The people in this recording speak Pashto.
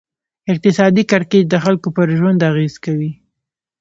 اقتصادي کړکېچ د خلکو پر ژوند اغېز کوي.